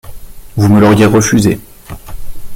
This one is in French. Vous me l’auriez refusé.